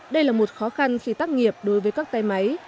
đây là một khó khăn khi tác nghiệp đối với các tay máy